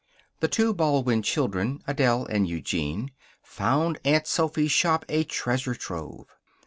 The two Baldwin children Adele and Eugene found Aunt Sophy's shop a treasure trove.